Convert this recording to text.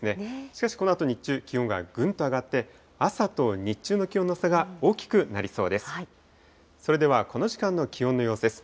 しかし、このあと日中、気温がぐんと上がって、朝と日中の気温の差が大きくなりそうです。